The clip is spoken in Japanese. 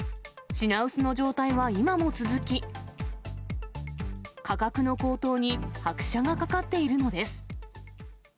品薄の状態は今も続き、価格の高騰に拍車がかかっているのです。